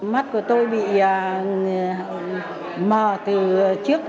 mắt của tôi bị mờ từ trước